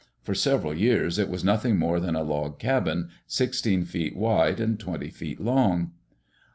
For several years it was nothing more than a log cabin, sixteen feet wide and twenty feet long.